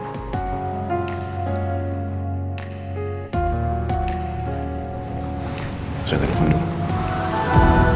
saya telepon dulu